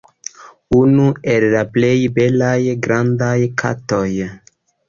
Unu el la plej belaj grandaj katoj.